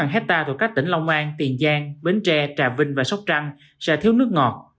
sáu mươi sáu hectare từ các tỉnh long an tiền giang bến tre trà vinh và sóc trăng sẽ thiếu nước ngọt